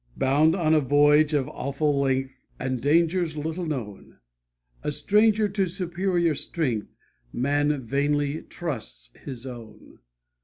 Bound on a voyage of awful length And dangers little known, A stranger to superior strength, Man vainly trusts his own.